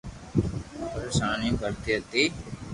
پرآݾون ڪرتي ھتي